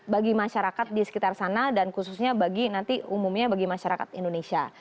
bagi masyarakat di sekitar sana dan khususnya bagi nanti umumnya bagi masyarakat indonesia